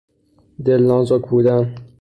دلنازک بودن